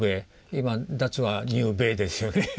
今脱亜入米ですよね。